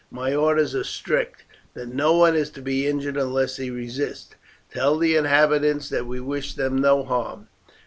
My orders are strict, that no one is to be injured unless he resists. Tell the inhabitants that we wish them no harm.